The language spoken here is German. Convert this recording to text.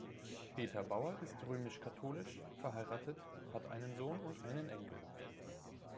Peter Bauer ist römisch-katholisch, verheiratet, hat einen Sohn und einen Enkel.